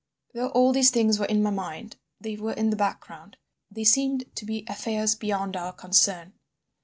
"Though all these things were in my mind, they were in the background. They seemed to be affairs beyond our concern.